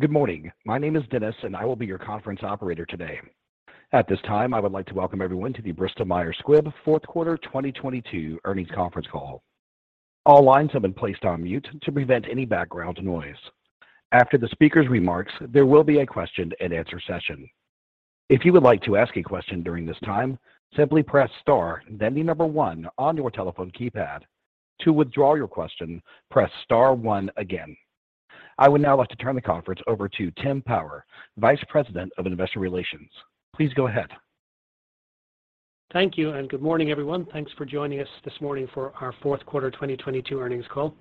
Good morning. My name is Dennis. I will be your conference operator today. At this time, I would like to welcome everyone to the Bristol Myers Squibb fourth quarter 2022 earnings conference call. All lines have been placed on mute to prevent any background noise. After the speaker's remarks, there will be a question and answer session. If you would like to ask a question during this time, simply press star, then the 1 on your telephone keypad. To withdraw your question, press star 1 again. I would now like to turn the conference over to Timothy Power, Vice President of Investor Relations. Please go ahead. Thank you. Good morning, everyone. Thanks for joining us this morning for our fourth quarter 2022 earnings call.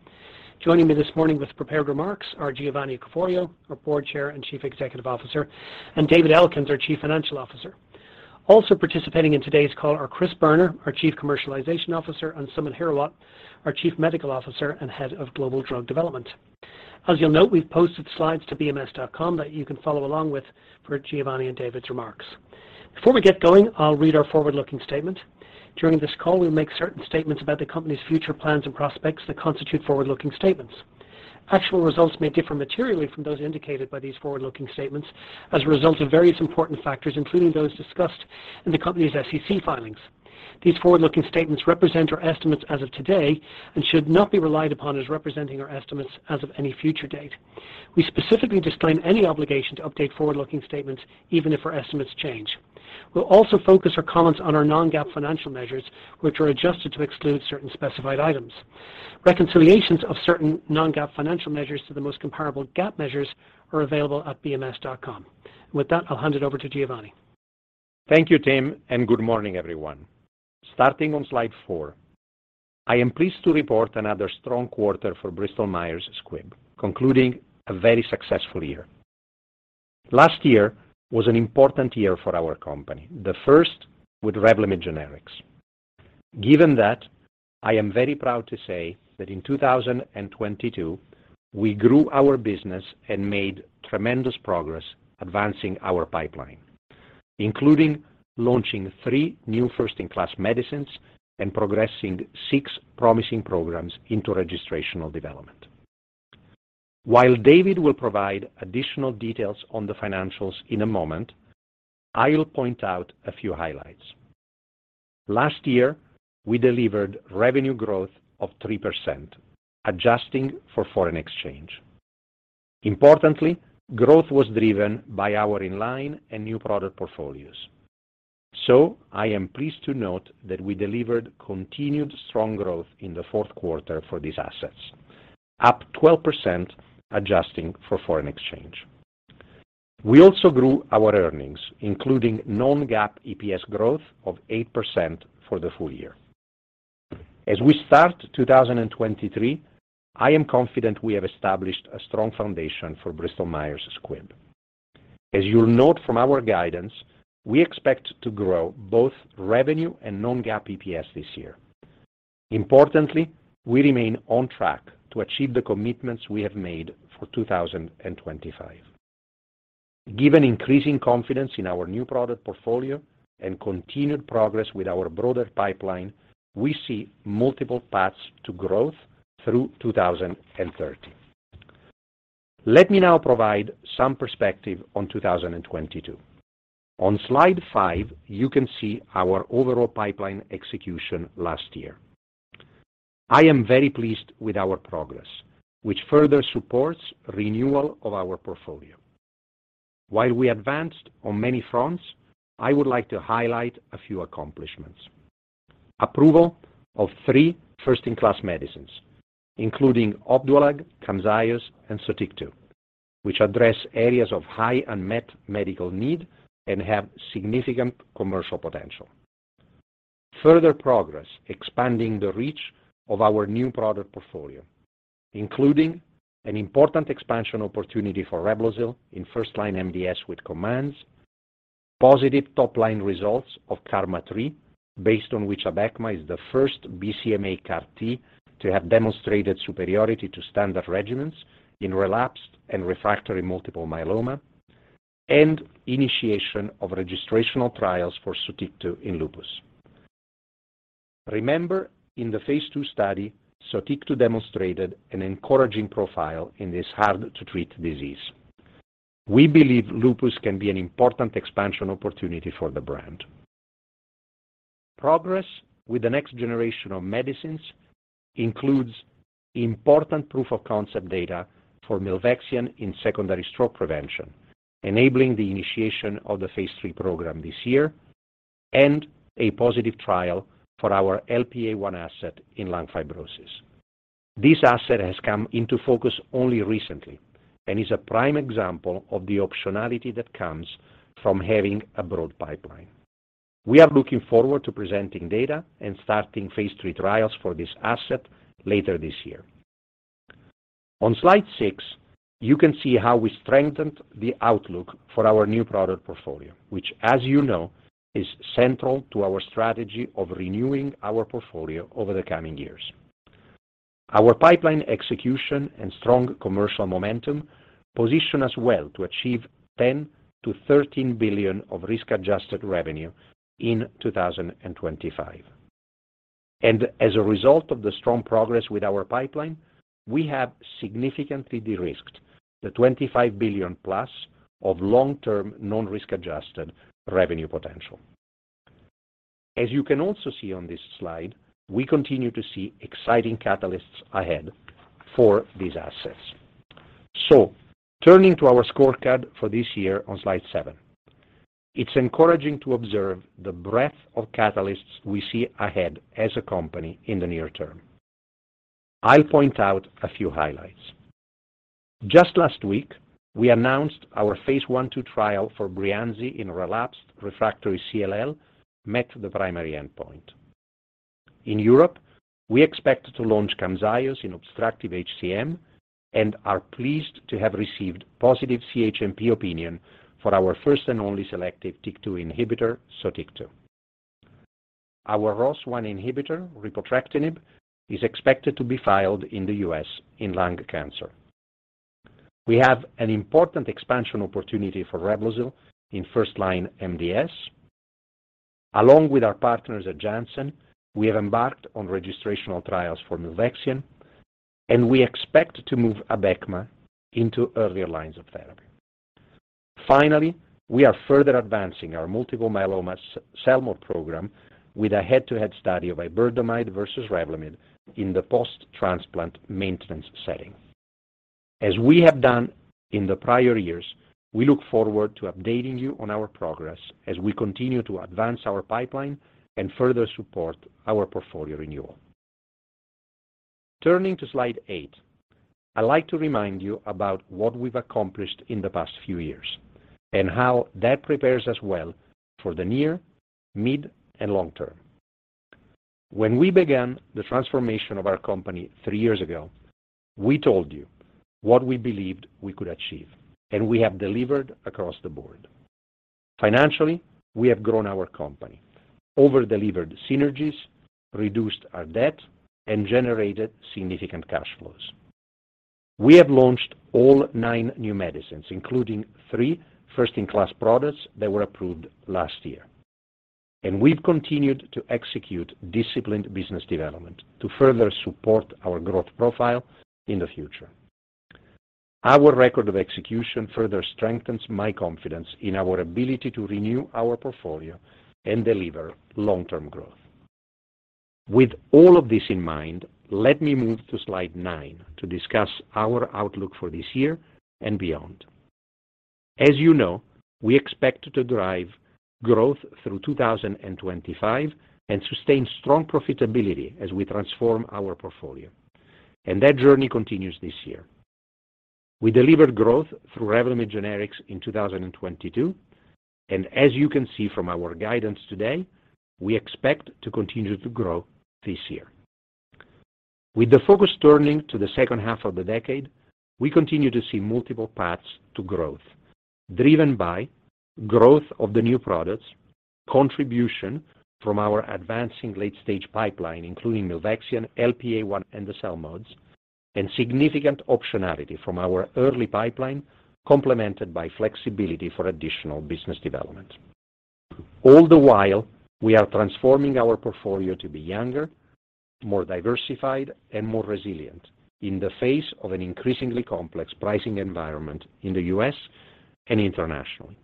Joining me this morning with prepared remarks are Giovanni Caforio, our Board Chair and Chief Executive Officer, and David Elkins, our Chief Financial Officer. Also participating in today's call are Chris Boerner, our Chief Commercialization Officer, and Samit Hirawat, our Chief Medical Officer and Head of Global Drug Development. As you'll note, we've posted slides to bms.com that you can follow along with for Giovanni and David's remarks. Before we get going, I'll read our forward-looking statement. During this call, we'll make certain statements about the company's future plans and prospects that constitute forward-looking statements. Actual results may differ materially from those indicated by these forward-looking statements as a result of various important factors, including those discussed in the company's SEC filings. These forward-looking statements represent our estimates as of today and should not be relied upon as representing our estimates as of any future date. We specifically disclaim any obligation to update forward-looking statements even if our estimates change. We'll also focus our comments on our non-GAAP financial measures, which are adjusted to exclude certain specified items. Reconciliations of certain non-GAAP financial measures to the most comparable GAAP measures are available at bms.com. With that, I'll hand it over to Giovanni. Thank you, Tim. Good morning, everyone. Starting on slide 4, I am pleased to report another strong quarter for Bristol Myers Squibb, concluding a very successful year. Last year was an important year for our company, the first with Revlimid generics. Given that, I am very proud to say that in 2022, we grew our business and made tremendous progress advancing our pipeline, including launching 3 new first-in-class medicines and progressing 6 promising programs into registrational development. While David will provide additional details on the financials in a moment, I'll point out a few highlights. Last year, we delivered revenue growth of 3%, adjusting for foreign exchange. Importantly, growth was driven by our in-line and new product portfolios. I am pleased to note that we delivered continued strong growth in the fourth quarter for these assets, up 12% adjusting for foreign exchange. We also grew our earnings, including non-GAAP EPS growth of 8% for the full year. As we start 2023, I am confident we have established a strong foundation for Bristol Myers Squibb. As you will note from our guidance, we expect to grow both revenue and non-GAAP EPS this year. Importantly, we remain on track to achieve the commitments we have made for 2025. Given increasing confidence in our new product portfolio and continued progress with our broader pipeline, we see multiple paths to growth through 2030. Let me now provide some perspective on 2022. On slide 5, you can see our overall pipeline execution last year. I am very pleased with our progress, which further supports renewal of our portfolio. While we advanced on many fronts, I would like to highlight a few accomplishments. Approval of three first in class medicines, including Opdualag, Camzyos, and Sotyktu, which address areas of high unmet medical need and have significant commercial potential. Further progress expanding the reach of our new product portfolio, including an important expansion opportunity for Reblozyl in first line MDS with COMMANDS, positive top-line results of KarMMa-3, based on which Abecma is the first BCMA CAR T to have demonstrated superiority to standard regimens in relapsed and refractory multiple myeloma, and initiation of registrational trials for Sotyktu in lupus. Remember, in the phase two study, Sotyktu demonstrated an encouraging profile in this hard to treat disease. We believe lupus can be an important expansion opportunity for the brand. Progress with the next generation of medicines includes important proof of concept data for milvexian in secondary stroke prevention, enabling the initiation of the phase 3 program this year, and a positive trial for our LPA1 asset in lung fibrosis. This asset has come into focus only recently and is a prime example of the optionality that comes from having a broad pipeline. We are looking forward to presenting data and starting phase 3 trials for this asset later this year. On slide 6, you can see how we strengthened the outlook for our new product portfolio, which as you know, is central to our strategy of renewing our portfolio over the coming years. Our pipeline execution and strong commercial momentum position us well to achieve $10 billion-$13 billion of risk-adjusted revenue in 2025. And as a result of the strong progress with our pipeline, we have significantly de-risked the $25 billion+ of long-term non-risk adjusted revenue potential. As you can also see on this slide, we continue to see exciting catalysts ahead for these assets. Turning to our scorecard for this year on slide 7. It's encouraging to observe the breadth of catalysts we see ahead as a company in the near term. I point out a few highlights. Just last week, we announced our phase 1/2 trial for Breyanzi in relapsed refractory CLL met the primary endpoint. In Europe, we expect to launch Camzyos in obstructive HCM and are pleased to have received positive CHMP opinion for our first and only selective TYK2 inhibitor, Sotyktu. Our ROS1 inhibitor, repotrectinib, is expected to be filed in the U.S. in lung cancer. We have an important expansion opportunity for Reblozyl in first line MDS. Along with our partners at Janssen, we have embarked on registrational trials for milvexian, and we expect to move Abecma into earlier lines of therapy. Finally, we are further advancing our multiple myeloma CELMoD program with a head-to-head study of iberdomide versus Revlimid in the post-transplant maintenance setting. As we have done in the prior years, we look forward to updating you on our progress as we continue to advance our pipeline and further support our portfolio renewal. Turning to slide 8. I'd like to remind you about what we've accomplished in the past few years, and how that prepares us well for the near, mid, and long term. When we began the transformation of our company three years ago, we told you what we believed we could achieve, and we have delivered across the board. Financially, we have grown our company, over-delivered synergies, reduced our debt, and generated significant cash flows. We have launched all nine new medicines, including three first-in-class products that were approved last year. We've continued to execute disciplined business development to further support our growth profile in the future. Our record of execution further strengthens my confidence in our ability to renew our portfolio and deliver long-term growth. With all of this in mind, let me move to slide 9 to discuss our outlook for this year and beyond. As you know, we expect to drive growth through 2025 and sustain strong profitability as we transform our portfolio. That journey continues this year. We delivered growth through Revlimid generics in 2022. As you can see from our guidance today, we expect to continue to grow this year. With the focus turning to the second half of the decade, we continue to see multiple paths to growth, driven by growth of the new products, contribution from our advancing late-stage pipeline, including milvexian, LPA1, and the CELMoDs, and significant optionality from our early pipeline, complemented by flexibility for additional business development. All the while, we are transforming our portfolio to be younger, more diversified, and more resilient in the face of an increasingly complex pricing environment in the U.S. and internationally.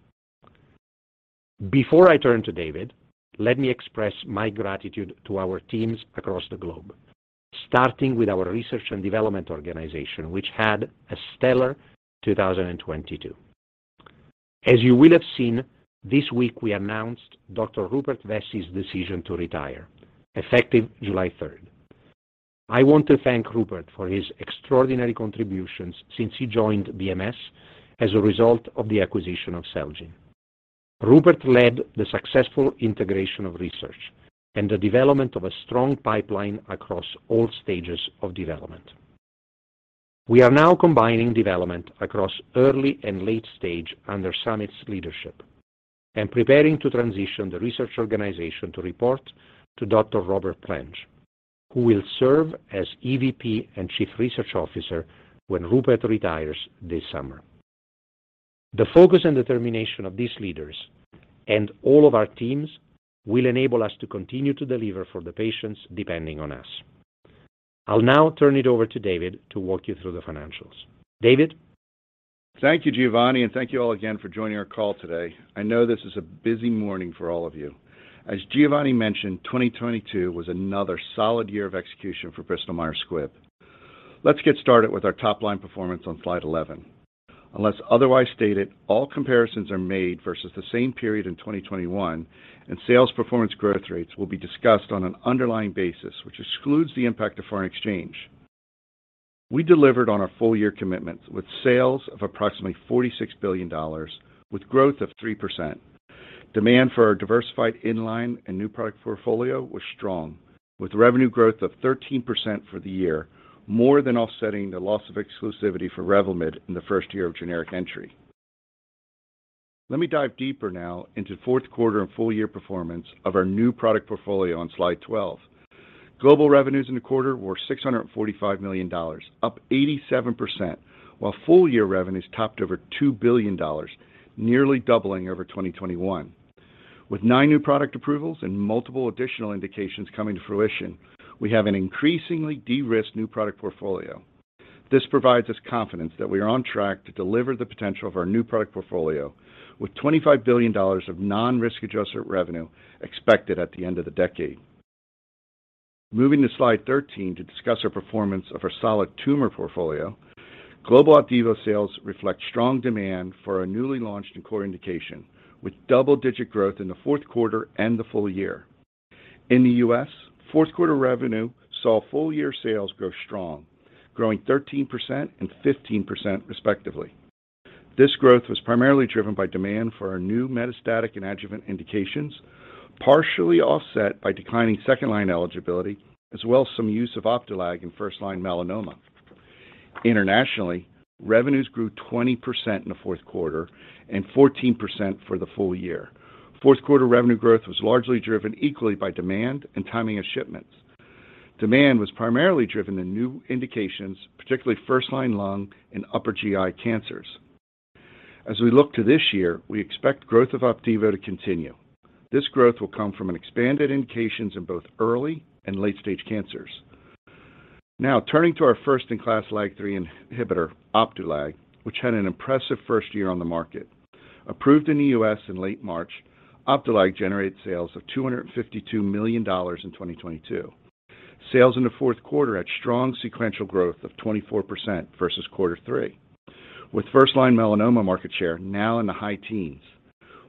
Before I turn to David, let me express my gratitude to our teams across the globe, starting with our research and development organization, which had a stellar 2022. As you will have seen, this week we announced Dr. Rupert Vessey's decision to retire, effective July third. I want to thank Rupert for his extraordinary contributions since he joined BMS as a result of the acquisition of Celgene. Rupert led the successful integration of research and the development of a strong pipeline across all stages of development. We are now combining development across early and late stage under Samit's leadership and preparing to transition the research organization to report to Dr. Robert Plenge, who will serve as EVP and Chief Research Officer when Rupert retires this summer. The focus and determination of these leaders and all of our teams will enable us to continue to deliver for the patients depending on us. I'll now turn it over to David to walk you through the financials. David? Thank you, Giovanni. Thank you all again for joining our call today. I know this is a busy morning for all of you. As Giovanni mentioned, 2022 was another solid year of execution for Bristol Myers Squibb. Let's get started with our top-line performance on slide 11. Unless otherwise stated, all comparisons are made versus the same period in 2021, and sales performance growth rates will be discussed on an underlying basis, which excludes the impact of foreign exchange. We delivered on our full-year commitments with sales of approximately $46 billion, with growth of 3%. Demand for our diversified in-line and new product portfolio was strong, with revenue growth of 13% for the year, more than offsetting the loss of exclusivity for Revlimid in the first year of generic entry. Let me dive deeper now into fourth quarter and full year performance of our new product portfolio on slide 12. Global revenues in the quarter were $645 million, up 87%, while full year revenues topped over $2 billion, nearly doubling over 2021. 9 new product approvals and multiple additional indications coming to fruition, we have an increasingly de-risked new product portfolio. This provides us confidence that we are on track to deliver the potential of our new product portfolio with $25 billion of non-risk adjusted revenue expected at the end of the decade. Moving to slide 13 to discuss our performance of our solid tumor portfolio. Global Opdivo sales reflect strong demand for our newly launched and core indication, with double-digit growth in the fourth quarter and the full year. In the U.S., fourth quarter revenue saw full year sales grow strong, growing 13% and 15% respectively. This growth was primarily driven by demand for our new metastatic and adjuvant indications, partially offset by declining second-line eligibility as well as some use of Opdualag in first-line melanoma. Internationally, revenues grew 20% in the fourth quarter and 14% for the full year. Fourth quarter revenue growth was largely driven equally by demand and timing of shipments. Demand was primarily driven in new indications, particularly first-line lung and upper GI cancers. As we look to this year, we expect growth of Opdivo to continue. This growth will come from an expanded indications in both early and late-stage cancers. Now turning to our first-in-class LAG-3 inhibitor, Opdualag, which had an impressive first year on the market. Approved in the U.S. in late March, Opdualag generated sales of $252 million in 2022. Sales in the fourth quarter at strong sequential growth of 24% versus quarter three. With first-line melanoma market share now in the high teens,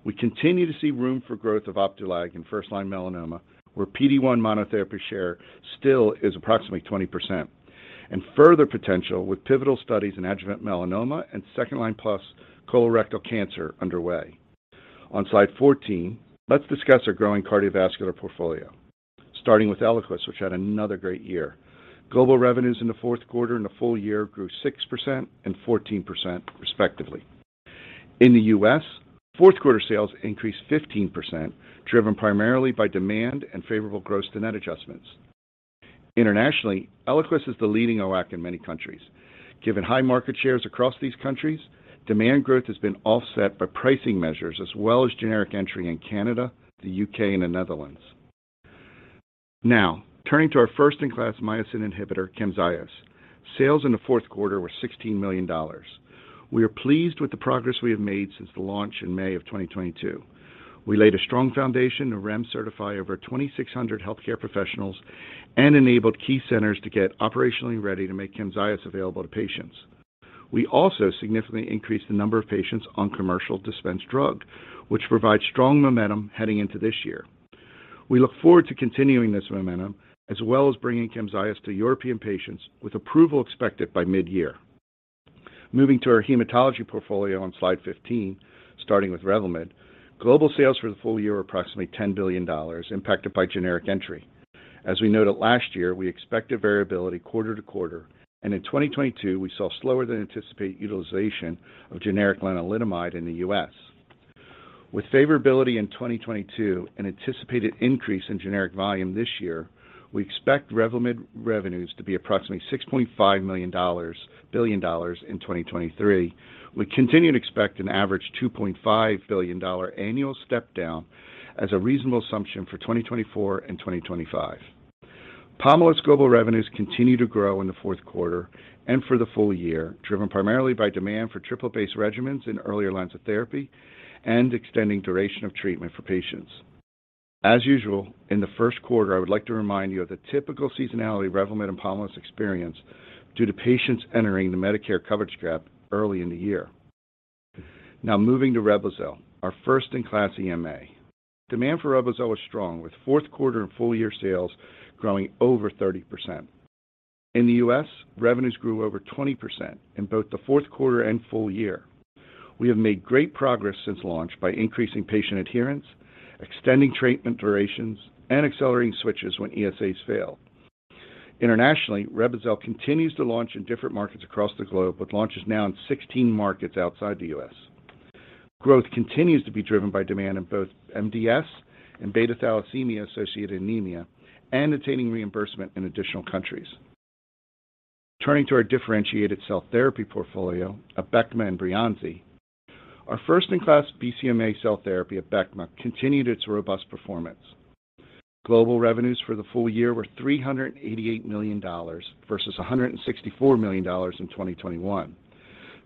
we continue to see room for growth of Opdualag in first-line melanoma, where PD-1 monotherapy share still is approximately 20%, and further potential with pivotal studies in adjuvant melanoma and second-line plus colorectal cancer underway. On slide 14, let's discuss our growing cardiovascular portfolio, starting with Eliquis, which had another great year. Global revenues in the fourth quarter and the full year grew 6% and 14%, respectively. In the U.S., fourth quarter sales increased 15%, driven primarily by demand and favorable gross to net adjustments. Internationally, Eliquis is the leading OAC in many countries. Given high market shares across these countries, demand growth has been offset by pricing measures as well as generic entry in Canada, the UK, and the Netherlands. Turning to our first-in-class myosin inhibitor, Camzyos. Sales in the fourth quarter were $16 million. We are pleased with the progress we have made since the launch in May of 2022. We laid a strong foundation to REMS certify over 2,600 healthcare professionals and enabled key centers to get operationally ready to make Camzyos available to patients. We also significantly increased the number of patients on commercial dispensed drug, which provides strong momentum heading into this year. We look forward to continuing this momentum, as well as bringing Camzyos to European patients with approval expected by mid-year. Moving to our hematology portfolio on slide 15, starting with Revlimid. Global sales for the full year were approximately $10 billion impacted by generic entry. As we noted last year, we expect a variability quarter to quarter, and in 2022, we saw slower than anticipated utilization of generic lenalidomide in the U.S. With favorability in 2022 an anticipated increase in generic volume this year, we expect Revlimid revenues to be approximately $6.5 billion in 2023. We continue to expect an average $2.5 billion annual step down as a reasonable assumption for 2024 and 2025. Pomalyst global revenues continue to grow in the fourth quarter and for the full year, driven primarily by demand for triple base regimens in earlier lines of therapy and extending duration of treatment for patients. As usual, in the first quarter, I would like to remind you of the typical seasonality Revlimid and Pomalyst experience due to patients entering the Medicare coverage gap early in the year. Moving to Reblozyl, our first in class EMA. Demand for Reblozyl is strong with fourth quarter and full year sales growing over 30%. In the U.S., revenues grew over 20% in both the fourth quarter and full year. We have made great progress since launch by increasing patient adherence, extending treatment durations, and accelerating switches when ESAs fail. Internationally, Reblozyl continues to launch in different markets across the globe, with launches now in 16 markets outside the U.S. Growth continues to be driven by demand in both MDS and beta thalassemia-associated anemia and attaining reimbursement in additional countries. Turning to our differentiated cell therapy portfolio, Abecma and Breyanzi. Our first-in-class BCMA cell therapy, Abecma, continued its robust performance. Global revenues for the full year were $388 million versus $164 million in 2021.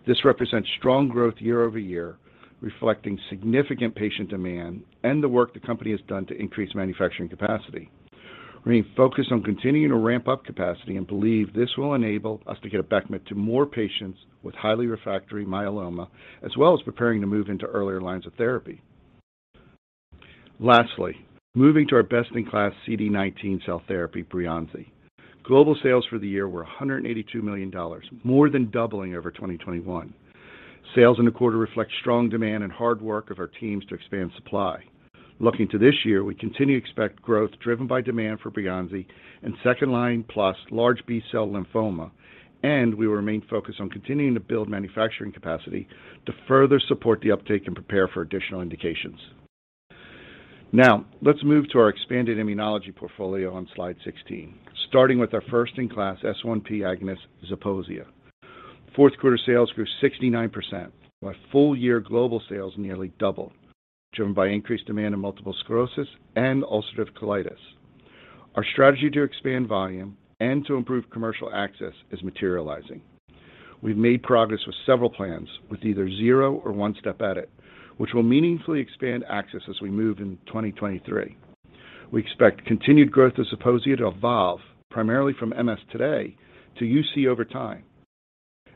This represents strong growth year-over-year, reflecting significant patient demand and the work the company has done to increase manufacturing capacity. Remain focused on continuing to ramp up capacity and believe this will enable us to get Abecma to more patients with highly refractory myeloma, as well as preparing to move into earlier lines of therapy. Lastly, moving to our best-in-class CD19 cell therapy, Breyanzi. Global sales for the year were $182 million, more than doubling over 2021. Sales in the quarter reflect strong demand and hard work of our teams to expand supply. Looking to this year, we continue to expect growth driven by demand for Breyanzi in second-line plus large B-cell lymphoma, and we will remain focused on continuing to build manufacturing capacity to further support the uptake and prepare for additional indications. Let's move to our expanded immunology portfolio on slide 16, starting with our first-in-class S1P agonist, Zeposia. Fourth quarter sales grew 69%, while full year global sales nearly doubled, driven by increased demand in multiple sclerosis and ulcerative colitis. Our strategy to expand volume and to improve commercial access is materializing. We have made progress with several plans with either 0 or one step edit, which will meaningfully expand access as we move in 2023. We expect continued growth of ZEPOSIA to evolve primarily from MS today to UC over time.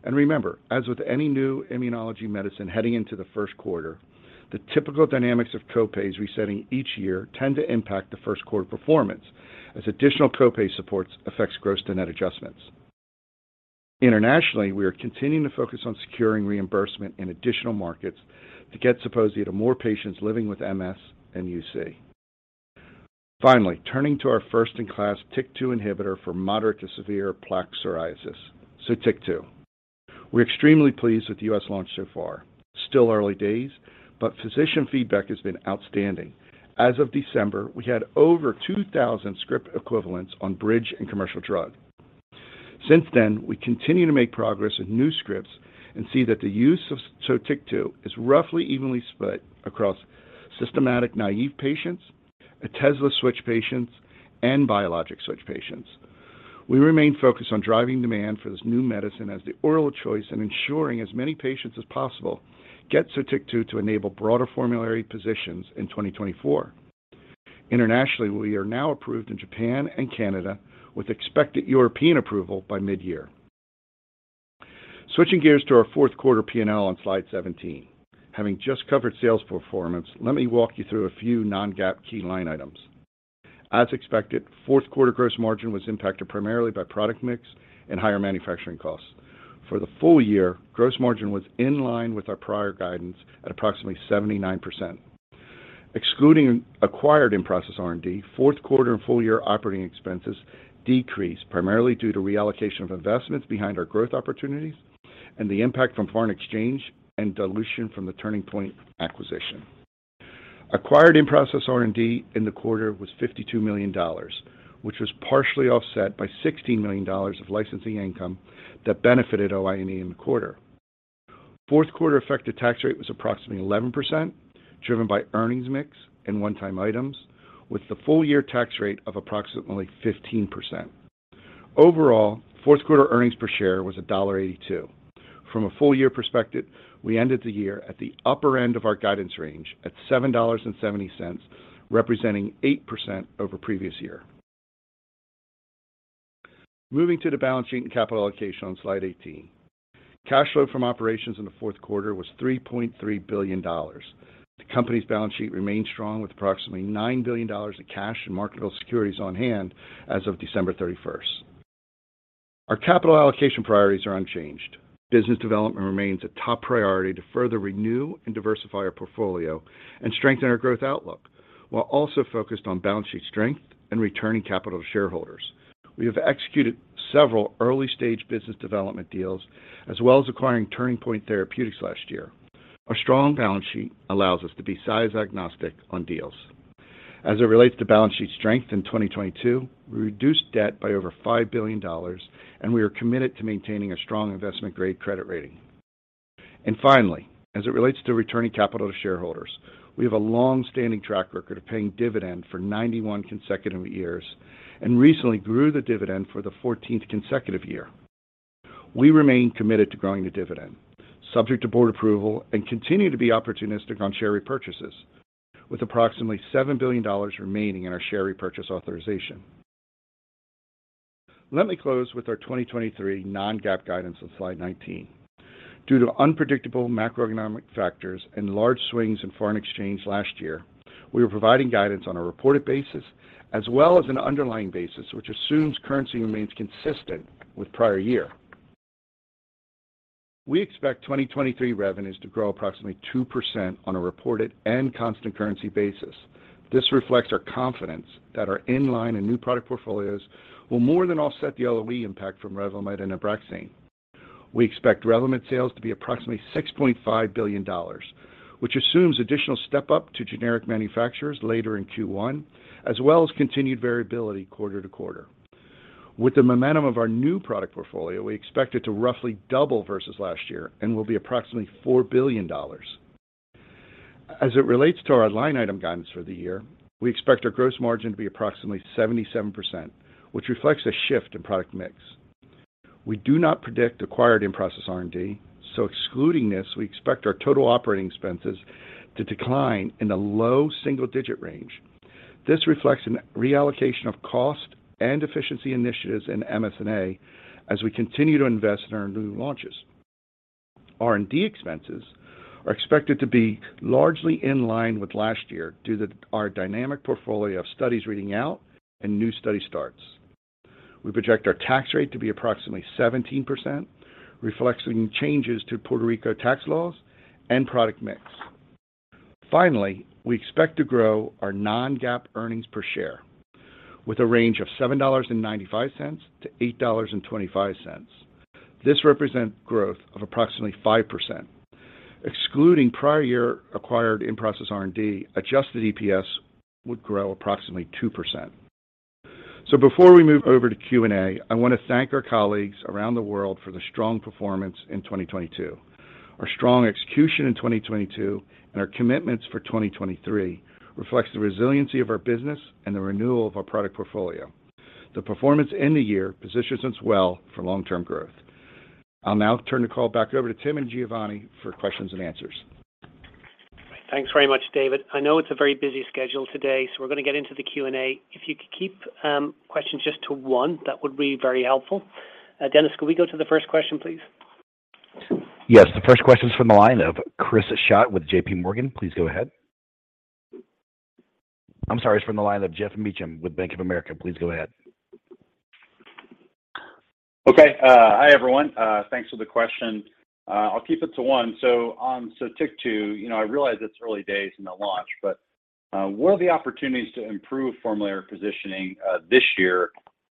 Remember, as with any new immunology medicine heading into the first quarter, the typical dynamics of co-pays resetting each year tend to impact the first quarter performance as additional co-pay supports affects gross to net adjustments. Internationally, we are continuing to focus on securing reimbursement in additional markets to get ZEPOSIA to more patients living with MS and UC. Finally, turning to our first in class TYK2 inhibitor for moderate to severe plaque psoriasis, Sotyktu. We are extremely pleased with the U.S. launch so far. Still early days, but physician feedback has been outstanding. As of December, we had over 2,000 script equivalents on Bridge and commercial drug. Since then, we continue to make progress with new scripts and see that the use of Sotyktu is roughly evenly split across systematic naive patients, Otezla switch patients, and biologic switch patients. We remain focused on driving demand for this new medicine as the oral choice and ensuring as many patients as possible get Sotyktu to enable broader formulary positions in 2024. Internationally, we are now approved in Japan and Canada with expected European approval by mid-year. Switching gears to our fourth quarter P&L on slide 17. Having just covered sales performance, let me walk you through a few non-GAAP key line items. As expected, fourth quarter gross margin was impacted primarily by product mix and higher manufacturing costs. For the full year, gross margin was in line with our prior guidance at approximately 79%. Excluding acquired in-process R&D, fourth quarter and full year operating expenses decreased, primarily due to reallocation of investments behind our growth opportunities and the impact from foreign exchange and dilution from the Turning Point acquisition. Acquired in-process R&D in the quarter was $52 million, which was partially offset by $16 million of licensing income that benefited OIE in the quarter. Fourth quarter effective tax rate was approximately 11%, driven by earnings mix and one-time items, with the full year tax rate of approximately 15%. Overall, fourth quarter earnings per share was $1.82. From a full year perspective, we ended the year at the upper end of our guidance range at $7.70, representing 8% over previous year. Moving to the balance sheet and capital allocation on slide 18. Cash flow from operations in the fourth quarter was $3.3 billion. The company's balance sheet remained strong with approximately $9 billion of cash and marketable securities on hand as of December 31st. Our capital allocation priorities are unchanged. Business development remains a top priority to further renew and diversify our portfolio and strengthen our growth outlook, while also focused on balance sheet strength and returning capital to shareholders. We have executed several early-stage business development deals, as well as acquiring Turning Point Therapeutics last year. Our strong balance sheet allows us to be size agnostic on deals. As it relates to balance sheet strength in 2022, we reduced debt by over $5 billion, we are committed to maintaining a strong investment-grade credit rating. And finally, as it relates to returning capital to shareholders, we have a long-standing track record of paying dividend for 91 consecutive years and recently grew the dividend for the 14th consecutive year. We remain committed to growing the dividend, subject to board approval and continue to be opportunistic on share repurchases, with approximately $7 billion remaining in our share repurchase authorization. Let me close with our 2023 non-GAAP guidance on slide 19. Due to unpredictable macroeconomic factors and large swings in foreign exchange last year, we are providing guidance on a reported basis as well as an underlying basis, which assumes currency remains consistent with prior year. We expect 2023 revenues to grow approximately 2% on a reported and constant currency basis. This reflects our confidence that our in-line and new product portfolios will more than offset the LOE impact from Revlimid and Abraxane. We expect Revlimid sales to be approximately $6.5 billion, which assumes additional step-up to generic manufacturers later in Q1, as well as continued variability quarter to quarter. With the momentum of our new product portfolio, we expect it to roughly double versus last year and will be approximately $4 billion. As it relates to our line item guidance for the year, we expect our gross margin to be approximately 77%, which reflects a shift in product mix. We do not predict acquired in-process R&D, so excluding this, we expect our total operating expenses to decline in the low single digit range. This reflects a reallocation of cost and efficiency initiatives in MSNA as we continue to invest in our new launches. R&D expenses are expected to be largely in line with last year due to our dynamic portfolio of studies reading out and new study starts. We project our tax rate to be approximately 17%, reflecting changes to Puerto Rico tax laws and product mix. We expect to grow our non-GAAP earnings per share with a range of $7.95-$8.25. This represents growth of approximately 5%. Excluding prior year acquired in-process R&D, adjusted EPS would grow approximately 2%. Before we move over to Q&A, I wanna thank our colleagues around the world for the strong performance in 2022. Our strong execution in 2022 and our commitments for 2023 reflects the resiliency of our business and the renewal of our product portfolio. The performance end of year positions us well for long-term growth. I will now turn the call back over to Tim and Giovanni for questions and answers. Thanks very much, David. I know it's a very busy schedule today. We're gonna get into the Q&A. If you could keep questions just to one, that would be very helpful. Dennis, could we go to the first question, please? Yes. The first question is from the line of Christopher Schott with JPMorgan. Please go ahead. I'm sorry, it's from the line of Geoff Meacham with Bank of America. Please go ahead. Okay. Hi, everyone. Thanks for the question. I'll keep it to 1. Sotyktu, you know, I realize it's early days in the launch, but what are the opportunities to improve formula positioning this year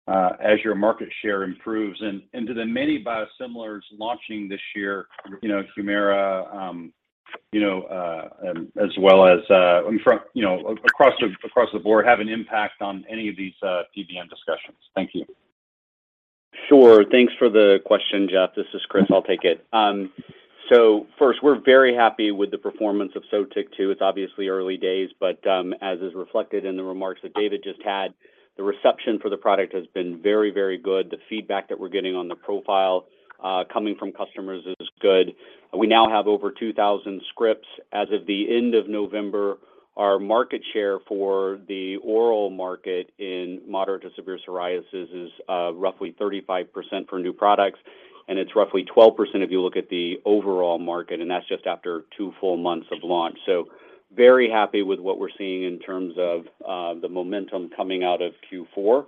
as your market share improves? Do the many biosimilars launching this year, you know, Humira, you know, as well as, you know, across the board, have an impact on any of these PBM discussions? Thank you. Sure. Thanks for the question, Geoff. This is Chris, I'll take it. First, we are very happy with the performance of Sotyktu. It's obviously early days, but as is reflected in the remarks that David just had, the reception for the product has been very, very good. The feedback that we're getting on the profile, coming from customers is good. We now have over 2,000 scripts. As of the end of November, our market share for the oral market in moderate to severe psoriasis is roughly 35% for new products, and it's roughly 12% if you look at the overall market, and that's just after 2 full months of launch. Very happy with what we're seeing in terms of the momentum coming out of Q4.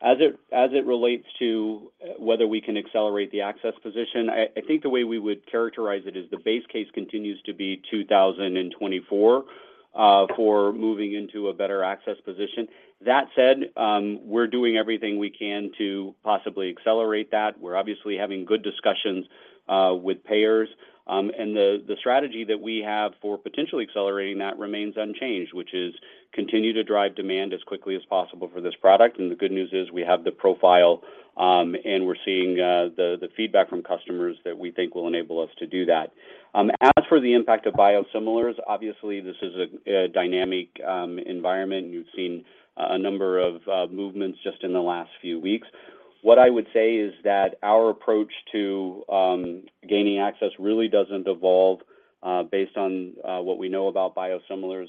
As it relates to whether we can accelerate the access position, I think the way we would characterize it is the base case continues to be 2024 for moving into a better access position. That said, we are doing everything we can to possibly accelerate that. We're obviously having good discussions with payers, and the strategy that we have for potentially accelerating that remains unchanged, which is continue to drive demand as quickly as possible for this product. The good news is we have the profile, and we're seeing the feedback from customers that we think will enable us to do that. As for the impact of biosimilars, obviously, this is a dynamic environment. You've seen a number of movements just in the last few weeks. What I would say is that our approach to gaining access really doesn't evolve based on what we know about biosimilars.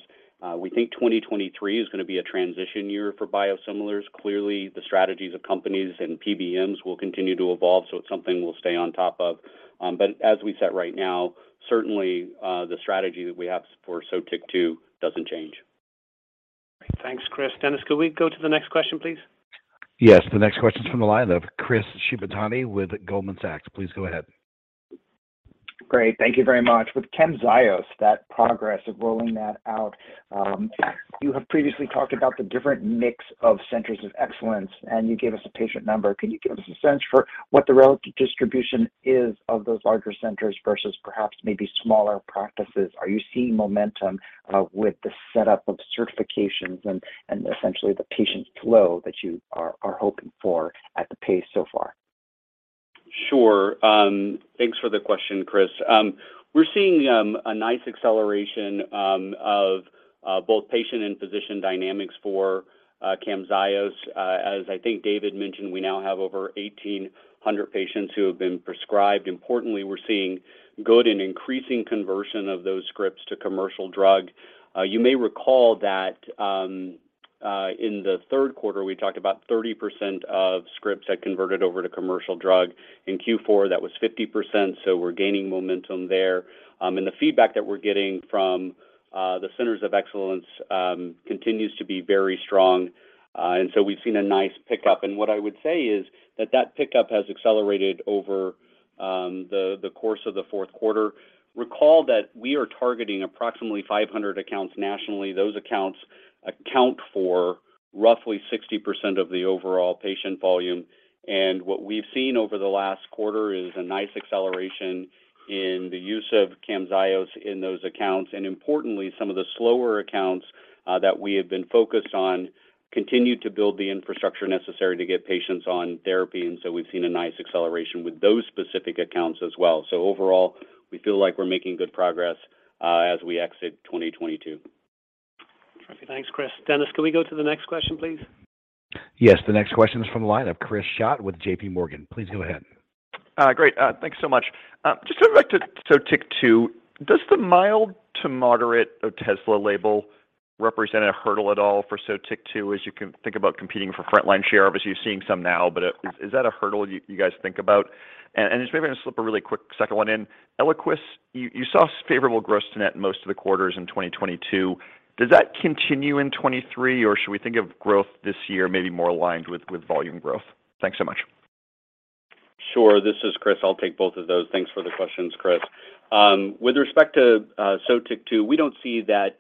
We think 2023 is gonna be a transition year for biosimilars. Clearly, the strategies of companies and PBMs will continue to evolve, so it's something we'll stay on top of. As we sit right now, certainly, the strategy that we have for Sotyktu doesn't change. Great. Thanks, Chris. Dennis, could we go to the next question, please? The next question is from the line of Chris Shibutani with Goldman Sachs. Please go ahead. Great. Thank you very much. With Camzyos, that progress of rolling that out, you have previously talked about the different mix of centers of excellence, and you gave us a patient number. Can you give us a sense for what the relative distribution is of those larger centers versus perhaps maybe smaller practices? Are you seeing momentum with the setup of certifications and essentially the patient flow that you are hoping for at the pace so far? Sure. Thanks for the question, Chris. We are seeing a nice acceleration of both patient and physician dynamics for Camzyos. As I think David mentioned, we now have over 1,800 patients who have been prescribed. Importantly, we're seeing good and increasing conversion of those scripts to commercial drug. You may recall that in the third quarter, we talked about 30% of scripts had converted over to commercial drug. In Q4, that was 50%, so we're gaining momentum there. The feedback that we're getting from the centers of excellence continues to be very strong. So we've seen a nice pickup. What I would say is that that pickup has accelerated over the course of the fourth quarter. Recall that we are targeting approximately 500 accounts nationally. Those accounts account for roughly 60% of the overall patient volume. What we've seen over the last quarter is a nice acceleration in the use of Camzyos in those accounts. Importantly, some of the slower accounts that we have been focused on continue to build the infrastructure necessary to get patients on therapy, and so we've seen a nice acceleration with those specific accounts as well. Overall, we feel like we're making good progress as we exit 2022. Terrific. Thanks, Chris. Dennis, can we go to the next question, please? The next question is from the line of Christopher Schott with JPMorgan. Please go ahead. Great. Thanks so much. Just going back to Sotyktu, does the mild to moderate Otezla label represent a hurdle at all for Sotyktu as you can think about competing for frontline share? Obviously, you're seeing some now, but, is that a hurdle you guys think about? Just maybe I'm gonna slip a really quick second one in. Eliquis, you saw favorable gross to net in most of the quarters in 2022. Does that continue in 2023, or should we think of growth this year maybe more aligned with volume growth? Thanks so much. Sure. This is Chris. I'll take both of those. Thanks for the questions, Chris. With respect to Sotyktu, we don't see that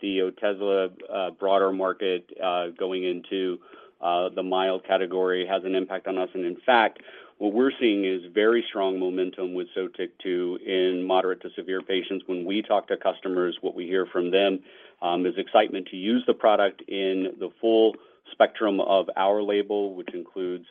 the Otezla broader market going into the mild category has an impact on us, and in fact, what we're seeing is very strong momentum with Sotyktu in moderate to severe patients. When we talk to customers, what we hear from them is excitement to use the product in the full spectrum of our label, which includes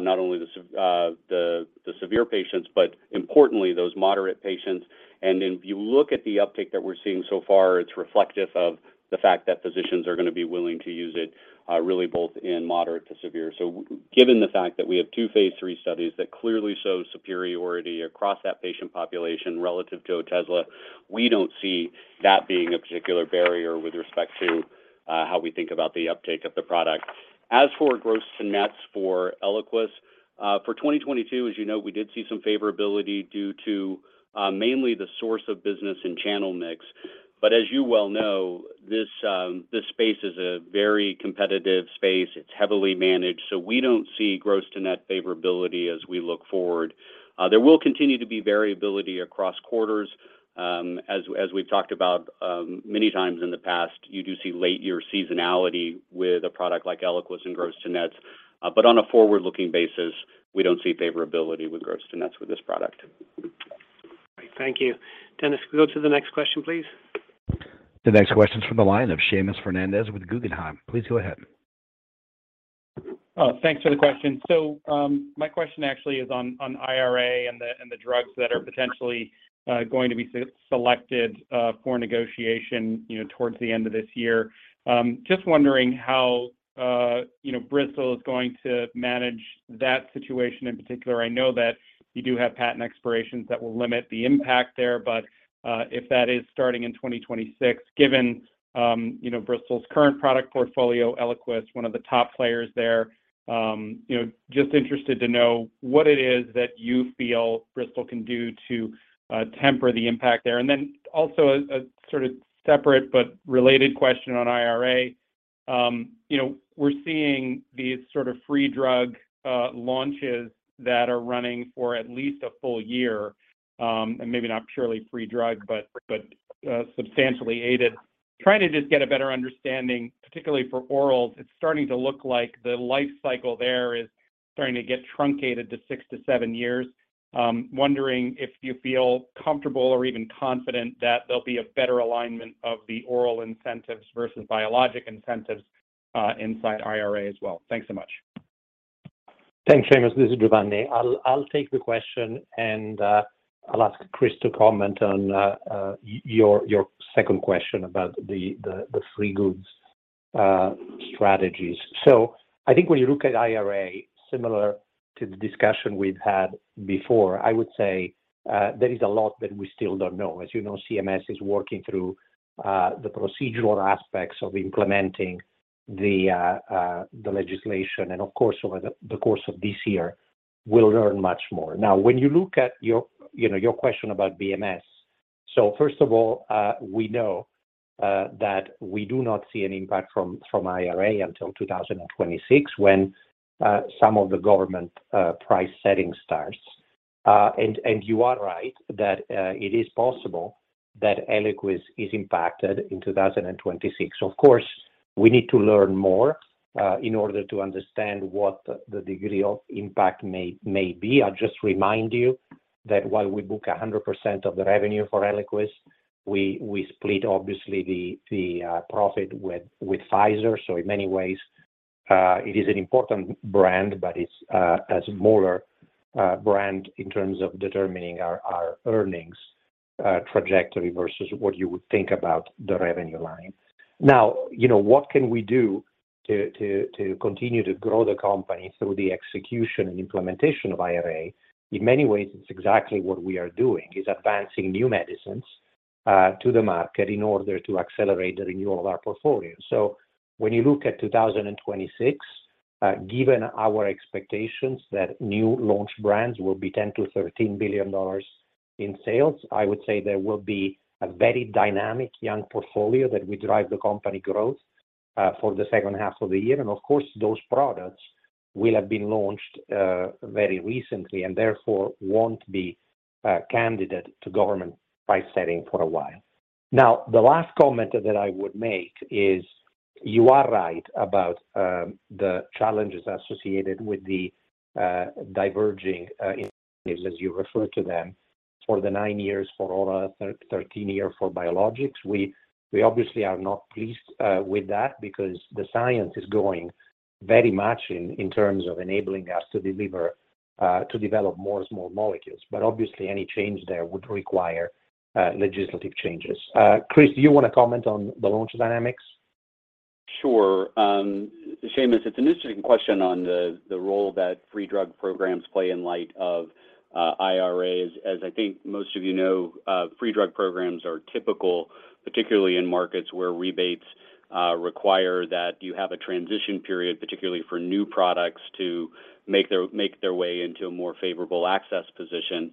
not only the severe patients, but importantly, those moderate patients. If you look at the uptake that we are seeing so far, it's reflective of the fact that physicians are gonna be willing to use it really both in moderate to severe. Given the fact that we have 2 phase 3 studies that clearly show superiority across that patient population relative to Otezla, we don't see that being a particular barrier with respect to how we think about the uptake of the product. As for gross to nets for Eliquis for 2022, as you know, we did see some favorability due to mainly the source of business and channel mix. As you well know, this space is a very competitive space. It's heavily managed, so we don't see gross to net favorability as we look forward. There will continue to be variability across quarters. As we've talked about many times in the past, you do see late year seasonality with a product like Eliquis in gross to nets. On a forward-looking basis, we don't see favorability with gross to nets with this product. All right. Thank you. Dennis, could we go to the next question, please? The next question is from the line of Seamus Fernandez with Guggenheim. Please go ahead. Thanks for the question. My question actually is on IRA and the, and the drugs that are potentially going to be selected for negotiation, you know, towards the end of this year. Just wondering how, you know, Bristol is going to manage that situation in particular. I know that you do have patent expirations that will limit the impact there. If that is starting in 2026, given, you know, Bristol's current product portfolio, Eliquis, one of the top players there, you know, just interested to know what it is that you feel Bristol can do to temper the impact there. Also a sort of separate but related question on IRA. You know, we're seeing these sort of free drug launches that are running for at least a full year, and maybe not purely free drug, but substantially aided. Trying to just get a better understanding, particularly for oral, it's starting to look like the life cycle there is starting to get truncated to 6 to 7 years. Wondering if you feel comfortable or even confident that there'll be a better alignment of the oral incentives versus biologic incentives inside IRA as well. Thanks so much. Thanks, Seamus. This is Giovanni. I'll take the question and I'll ask Chris to comment on your second question about the free goods strategies. I think when you look at IRA, similar to the discussion we've had before, I would say there is a lot that we still don't know. As you know, CMS is working through the procedural aspects of implementing the legislation. Of course, over the course of this year, we'll learn much more. Now, when you look at your, you know, your question about BMS. First of all, we know that we do not see an impact from IRA until 2026, when some of the government price setting starts. You are right that it is possible that Eliquis is impacted in 2026. Of course, we need to learn more in order to understand what the degree of impact may be. I'll just remind you that while we book 100% of the revenue for Eliquis, we split obviously the profit with Pfizer. In many ways, it is an important brand, but it's a smaller brand in terms of determining our earnings trajectory versus what you would think about the revenue line. Now, you know, what can we do to continue to grow the company through the execution and implementation of IRA? In many ways, it's exactly what we are doing, is advancing new medicines to the market in order to accelerate the renewal of our portfolio. When you look at 2026, given our expectations that new launch brands will be $10 billion-$13 billion in sales, I would say there will be a very dynamic young portfolio that will drive the company growth for the second half of the year. Of course, those products will have been launched very recently and therefore won't be a candidate to government price setting for a while. The last comment that I would make is you are right about the challenges associated with the diverging initiatives as you refer to them for the 9 years for all, 13 year for biologics. We obviously are not pleased with that because the science is going very much in terms of enabling us to deliver to develop more small molecules. Obviously any change there would require legislative changes. Chris, do you wanna comment on the launch dynamics? Sure. Seamus, it's an interesting question on the role that free drug programs play in light of IRAs. As I think most of you know, free drug programs are typical, particularly in markets where rebates require that you have a transition period, particularly for new products to make their way into a more favorable access position.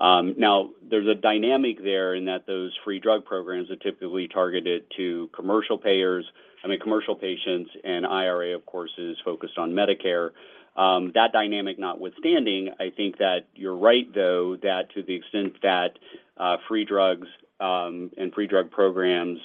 Now there is a dynamic there in that those free drug programs are typically targeted to commercial payers. I mean, commercial patients, and IRA, of course, is focused on Medicare. That dynamic notwithstanding, I think that you're right, though, that to the extent that free drugs and free drug programs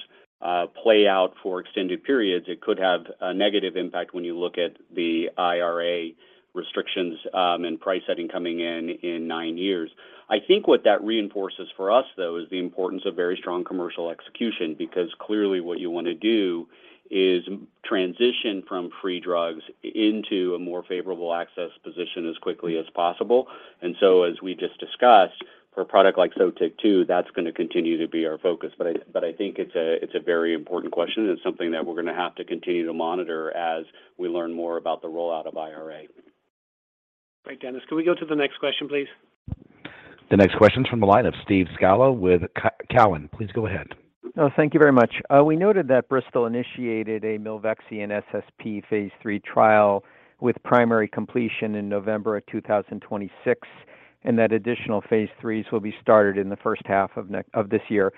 play out for extended periods, it could have a negative impact when you look at the IRA restrictions and price setting coming in in 9 years. I think what that reinforces for us, though, is the importance of very strong commercial execution. Clearly what you want to do is transition from free drugs into a more favorable access position as quickly as possible. As we just discussed, for a product like Sotyktu, that's going to continue to be our focus. I think it's a very important question, and it's something that we're going to have to continue to monitor as we learn more about the rollout of IRA. Right. Dennis, can we go to the next question, please? The next question is from the line of Stephen Scala with Cowen. Please go ahead. Thank you very much. We noted that Bristol initiated a milvexian SSP phase 3 trial with primary completion in November of 2026, and that additional phase 3s will be started in the first half of this year.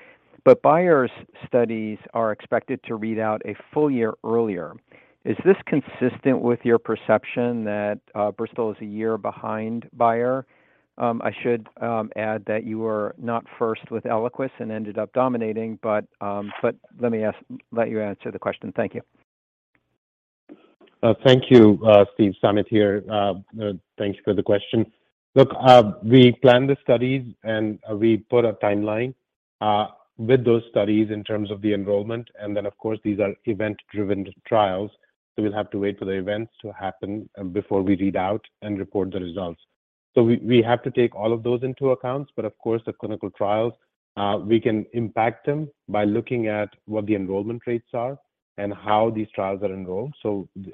Bayer's studies are expected to read out a full year earlier. Is this consistent with your perception that Bristol is a year behind Bayer? I should add that you are not first with Eliquis and ended up dominating. Let you answer the question. Thank you. Thank you, Steve. Samit here. Thank you for the question. Look, we planned the studies, we put a timeline with those studies in terms of the enrollment. Then, of course, these are event-driven trials, so we'll have to wait for the events to happen before we read out and report the results. We, we have to take all of those into account. Of course, the clinical trials, we can impact them by looking at what the enrollment rates are and how these trials are enrolled.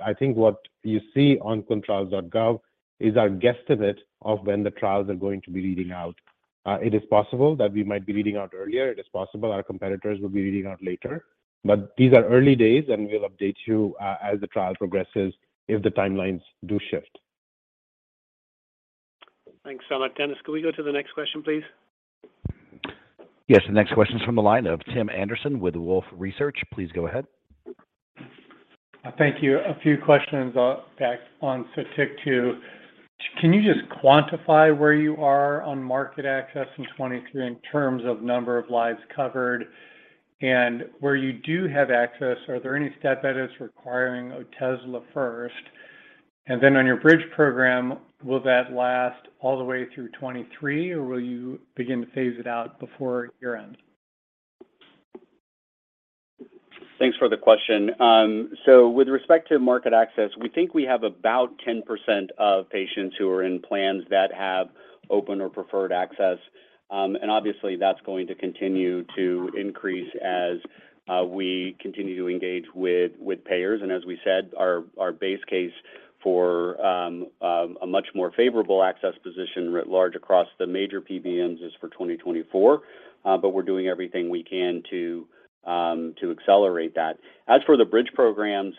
I think what you see on ClinicalTrials.gov is our guesstimate of when the trials are going to be reading out. It is possible that we might be reading out earlier. It is possible our competitors will be reading out later. These are early days, and we'll update you as the trial progresses if the timelines do shift. Thanks, Samit. Dennis, can we go to the next question, please? The next question is from the line of Tim Anderson with Wolfe Research. Please go ahead. Thank you. A few questions, back on Sotyktu. Can you just quantify where you are on market access in 23 in terms of number of lives covered? Where you do have access, are there any step edits requiring Otezla first? On your Bridge program, will that last all the way through 23, or will you begin to phase it out before year-end? Thanks for the question. With respect to market access, we think we have about 10% of patients who are in plans that have open or preferred access. Obviously, that's going to continue to increase as we continue to engage with payers. As we said, our base case for a much more favorable access position writ large across the major PBMs is for 2024. We are doing everything we can to accelerate that. As for the Bridge programs,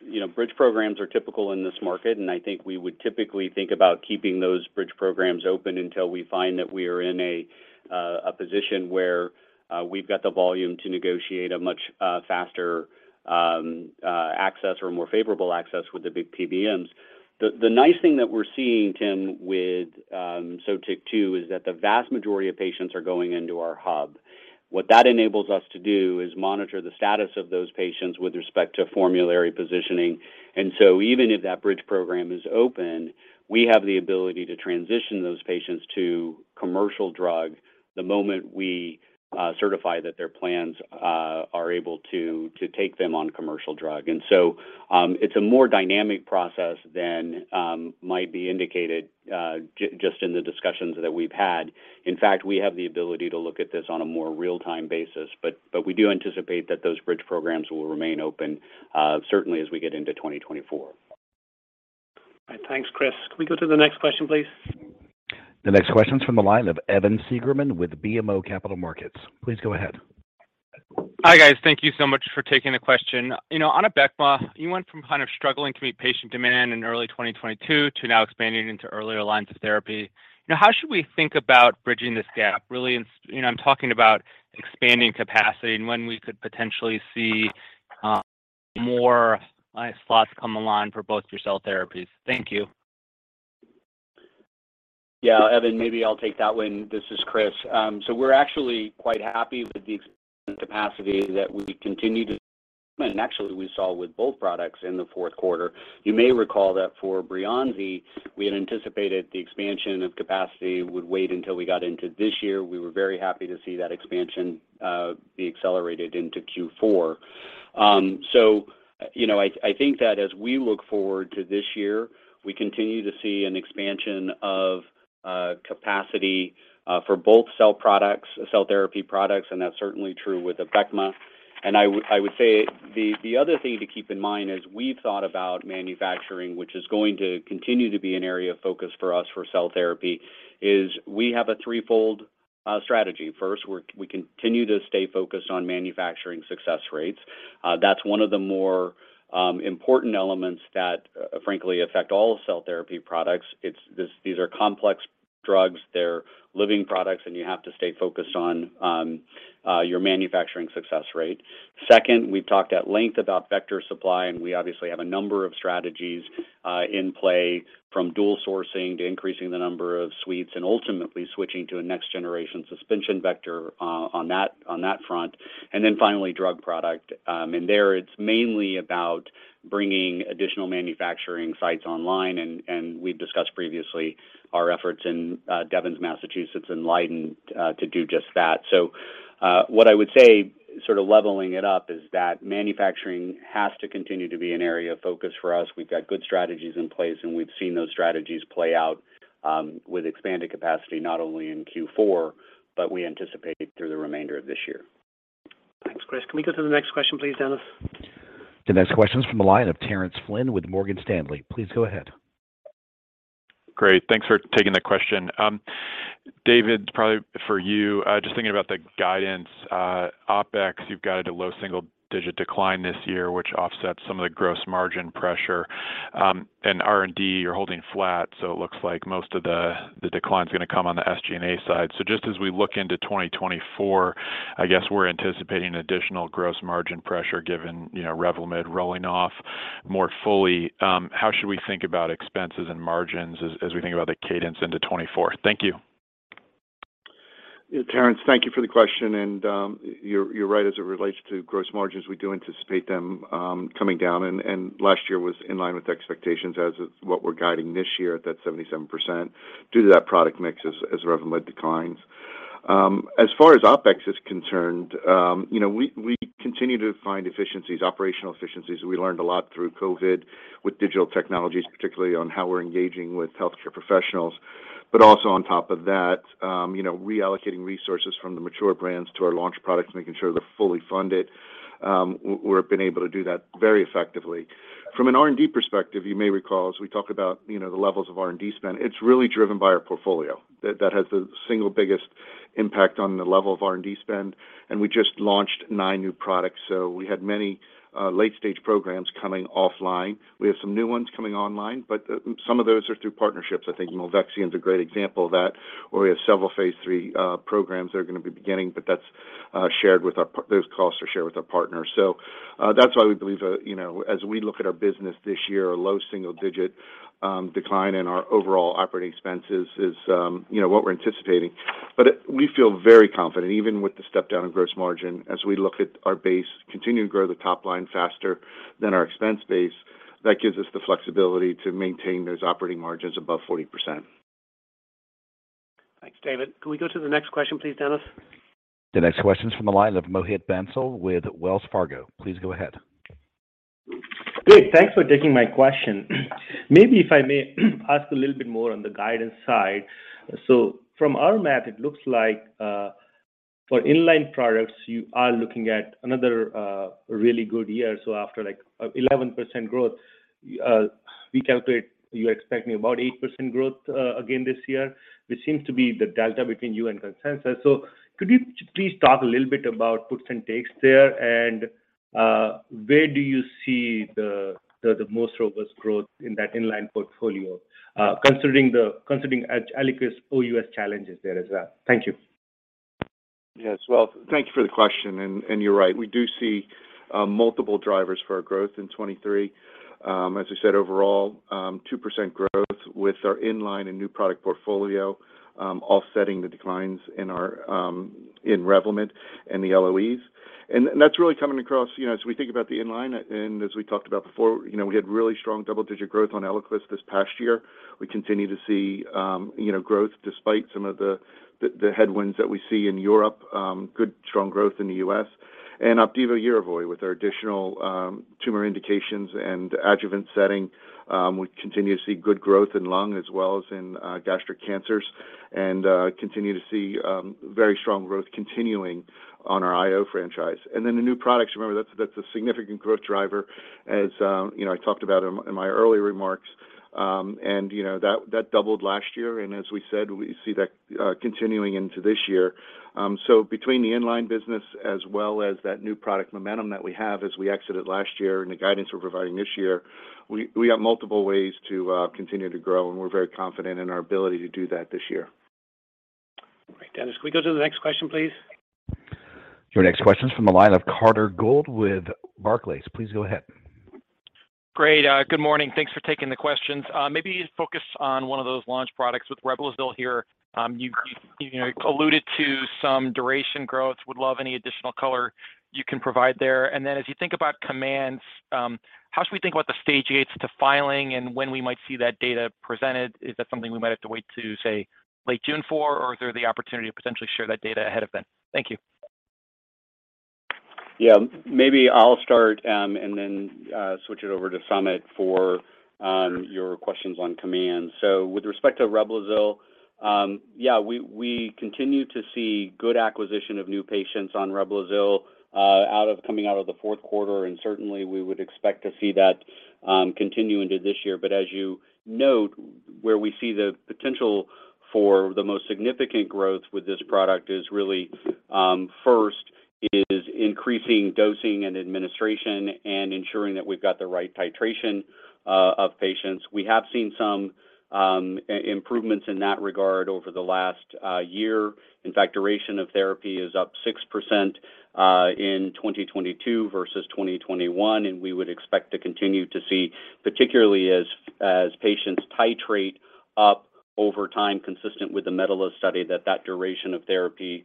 you know, Bridge programs are typical in this market, I think we would typically think about keeping those Bridge programs open until we find that we are in a position where we have got the volume to negotiate a much faster access or more favorable access with the big PBMs. The nice thing that we're seeing, Tim, with Sotyktu is that the vast majority of patients are going into our hub. What that enables us to do is monitor the status of those patients with respect to formulary positioning. Even if that Bridge program is open, we have the ability to transition those patients to commercial drug the moment we certify that their plans are able to take them on commercial drug. It's a more dynamic process than might be indicated just in the discussions that we've had. In fact, we have the ability to look at this on a more real-time basis. We do anticipate that those Bridge programs will remain open certainly as we get into 2024. Thanks, Chris. Can we go to the next question, please? The next question is from the line of Evan Seigerman with BMO Capital Markets. Please go ahead. Hi, guys. Thank you so much for taking the question. You know, on Abecma, you went from kind of struggling to meet patient demand in early 2022 to now expanding into earlier lines of therapy. You know, how should we think about bridging this gap, really? You know, I'm talking about expanding capacity and when we could potentially see more slots come online for both your cell therapies. Thank you. Yeah, Evan, maybe I'll take that one. This is Chris. We are actually quite happy with the expansion capacity that we continue to see, and actually we saw with both products in the fourth quarter. You may recall that for Breyanzi, we had anticipated the expansion of capacity would wait until we got into this year. We were very happy to see that expansion be accelerated into Q4. You know, I think that as we look forward to this year, we continue to see an expansion of capacity for both cell products, cell therapy products, and that's certainly true with Abecma. I would say the other thing to keep in mind as we've thought about manufacturing, which is going to continue to be an area of focus for us for cell therapy, is we have a threefold strategy. First, we continue to stay focused on manufacturing success rates. That's one of the more important elements that frankly affect all cell therapy products. These are complex drugs, they're living products, and you have to stay focused on your manufacturing success rate. Second, we have talked at length about vector supply. We obviously have a number of strategies in play from dual sourcing to increasing the number of suites and ultimately switching to a next-generation suspension vector on that front. Finally, drug product. There it's mainly about bringing additional manufacturing sites online and we've discussed previously our efforts in Devens, Massachusetts in Leiden to do just that. What I would say sort of leveling it up is that manufacturing has to continue to be an area of focus for us. We have got good strategies in place, and we've seen those strategies play out, with expanded capacity not only in Q4, but we anticipate through the remainder of this year. Thanks, Chris. Can we go to the next question please, Dennis? The next question is from the line of Terence Flynn with Morgan Stanley. Please go ahead. Great. Thanks for taking the question. David, probably for you, just thinking about the guidance, OpEx, you've got a low single-digit decline this year, which offsets some of the gross margin pressure. R&D, you're holding flat, so it looks like most of the decline's gonna come on the SG&A side. Just as we look into 2024, I guess we are anticipating additional gross margin pressure given, you know, Revlimid rolling off more fully. How should we think about expenses and margins as we think about the cadence into 2024? Thank you. Terence, thank you for the question, you're right as it relates to gross margins. We do anticipate them coming down, and last year was in line with expectations as is what we're guiding this year at that 77% due to that product mix as Revlimid declines. As far as OpEx is concerned, you know, we continue to find efficiencies, operational efficiencies. We learned a lot through COVID with digital technologies, particularly on how we're engaging with healthcare professionals. Also on top of that, you know, reallocating resources from the mature brands to our launch products, making sure they're fully funded, we've been able to do that very effectively. From an R&D perspective, you may recall as we talked about, you know, the levels of R&D spend, it's really driven by our portfolio. That has the single biggest impact on the level of R&D spend. We just launched 9 new products. We had many late-stage programs coming offline. We have some new ones coming online. Some of those are through partnerships. I think Novaxion's a great example of that, where we have several phase 3 programs that are gonna be beginning. Those costs are shared with our partners. That's why we believe, you know, as we look at our business this year, a low single-digit decline in our overall operating expenses is, you know, what we're anticipating. We feel very confident, even with the step down in gross margin as we look at our base, continue to grow the top line faster than our expense base. That gives us the flexibility to maintain those operating margins above 40%. Thanks, David. Can we go to the next question please, Dennis? The next question's from the line of Mohit Bansal with Wells Fargo. Please go ahead. Great. Thanks for taking my question. Maybe if I may ask a little bit more on the guidance side. From our math, it looks like, for inline products, you are looking at another, really good year. After like 11% growth, we calculate you're expecting about 8% growth, again this year, which seems to be the delta between you and consensus. Could you please talk a little bit about puts and takes there, and, where do you see the most robust growth in that inline portfolio, considering Eliquis OUS challenges there as well? Thank you. Yes. Well, thank you for the question and you're right. We do see multiple drivers for our growth in 2023. As I said overall, 2% growth with our inline and new product portfolio, offsetting the declines in our in Revlimid and the LOEs. That's really coming across, you know, as we think about the inline and as we talked about before, you know, we had really strong double-digit growth on Eliquis this past year. We continue to see, you know, growth despite some of the headwinds that we see in Europe. Good strong growth in the U.S. Opdivo Yervoy with our additional tumor indications and adjuvant setting, we continue to see good growth in lung as well as in gastric cancers and continue to see very strong growth continuing on our IO franchise. The new products, remember that's a significant growth driver as, you know, I talked about in my earlier remarks. You know, that doubled last year and as we said, we see that continuing into this year. Between the inline business as well as that new product momentum that we have as we exited last year and the guidance we're providing this year, we have multiple ways to continue to grow, and we're very confident in our ability to do that this year. All right. Dennis, can we go to the next question, please? Your next question is from the line of Carter Gould with Barclays. Please go ahead. Great. Good morning. Thanks for taking the questions. Maybe focus on one of those launch products with Reblozyl here. You know, alluded to some duration growth. Would love any additional color you can provide there. As you think about COMMANDS, how should we think about the stage gates to filing and when we might see that data presented? Is that something we might have to wait to, say, late June for, or is there the opportunity to potentially share that data ahead of then? Thank you. Yeah. Maybe I'll start, switch it over to Samit for your questions on COMMANDS. With respect to Reblozyl, yeah, we continue to see good acquisition of new patients on Reblozyl coming out of the fourth quarter, and certainly we would expect to see that continue into this year. As you note, where we see the potential for the most significant growth with this product is really, first- Is increasing dosing and administration and ensuring that we've got the right titration of patients. We have seen some improvements in that regard over the last year. In fact, duration of therapy is up 6% in 2022 versus 2021, and we would expect to continue to see, particularly as patients titrate up over time, consistent with the MEDALIST study, that that duration of therapy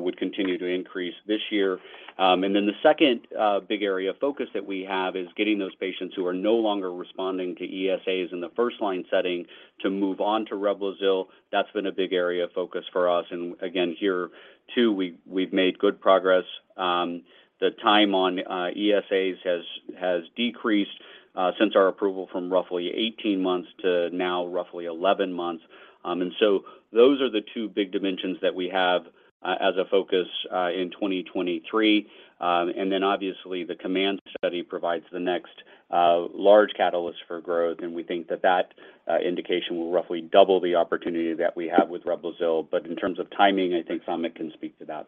would continue to increase this year. Then the second big area of focus that we have is getting those patients who are no longer responding to ESAs in the first-line setting to move on to Reblozyl. That's been a big area of focus for us. Again, here too, we've made good progress. The time on ESAs has decreased since our approval from roughly 18 months to now roughly 11 months. Those are the two big dimensions that we have as a focus in 2023. Obviously the COMMANDS study provides the next large catalyst for growth. We think that that indication will roughly double the opportunity that we have with Reblozyl. In terms of timing, I think Samit can speak to that.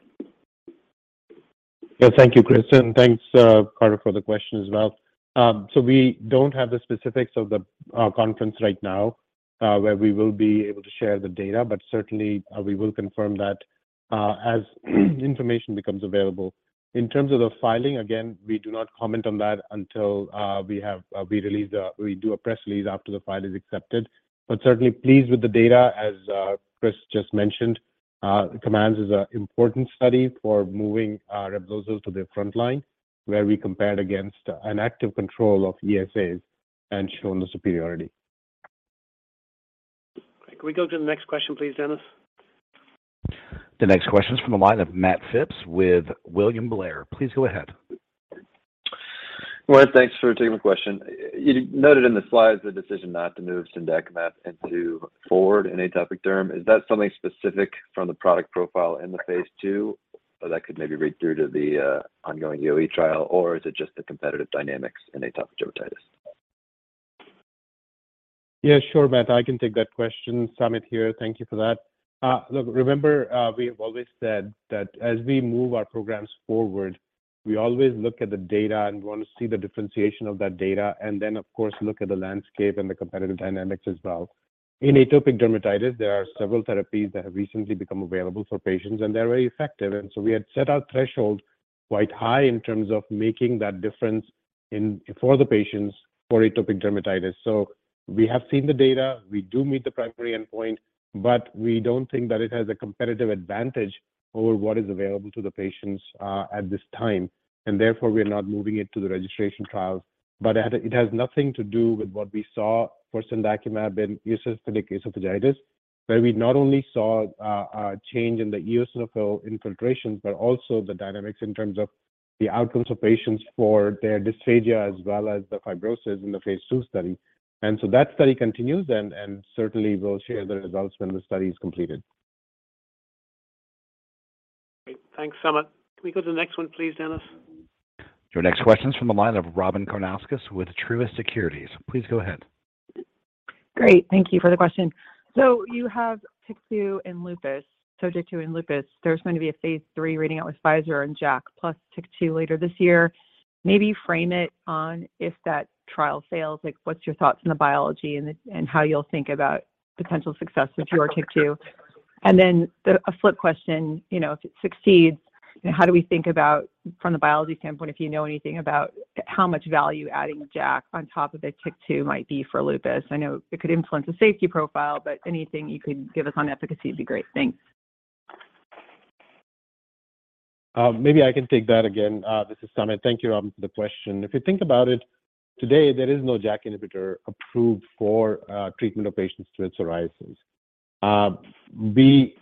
Thank you, Chris, and thanks, Carter, for the question as well. We don't have the specifics of the conference right now, where we will be able to share the data, but certainly, we will confirm that as information becomes available. In terms of the filing, again, we do not comment on that until we do a press release after the file is accepted. Certainly pleased with the data, as Chris just mentioned. COMMANDS is an important study for moving Reblozyl to the front line, where we compared against an active control of ESAs and shown the superiority. Can we go to the next question, please, Dennis? The next question is from the line of Matthew Phipps with William Blair. Please go ahead. Well, thanks for taking the question. You noted in the slides the decision not to move cendakimab into forward atopic derm. Is that something specific from the product profile in the phase 2 that could maybe read through to the ongoing EoE trial, or is it just the competitive dynamics in atopic dermatitis? Yeah, sure, Matt. I can take that question. Samit here. Thank you for that. Look, remember, we have always said that as we move our programs forward, we always look at the data and want to see the differentiation of that data and then, of course, look at the landscape and the competitive dynamics as well. In atopic dermatitis, there are several therapies that have recently become available for patients, and they're very effective. We had set our threshold quite high in terms of making that difference for the patients for atopic dermatitis. We have seen the data. We do meet the primary endpoint, but we don't think that it has a competitive advantage over what is available to the patients at this time. Therefore, we're not moving it to the registration trials. It has nothing to do with what we saw for Cendakimab in Eosinophilic Esophagitis, where we not only saw a change in the eosinophil infiltration, but also the dynamics in terms of the outcomes of patients for their dysphagia as well as the fibrosis in the phase 2 study. That study continues and certainly we'll share the results when the study is completed. Great. Thanks, Samit. Can we go to the next one, please, Dennis? Your next question is from the line of Robyn Karnauskas with Truist Securities. Please go ahead. Great. Thank you for the question. You have TYK2 and lupus. TYK2 and lupus. There's going to be a phase 3 reading out with Pfizer and JAK plus TYK2 later this year. Maybe frame it on if that trial fails, like what's your thoughts on the biology and how you'll think about potential success with your TYK2? A flip question, you know, if it succeeds, how do we think about from the biology standpoint, if you know anything about how much value adding JAK on top of a TYK2 might be for lupus? I know it could influence a safety profile, but anything you could give us on efficacy would be great. Thanks. Maybe I can take that again. This is Samit. Thank you, Robyn, for the question. If you think about it, today, there is no JAK inhibitor approved for treatment of patients with psoriasis. We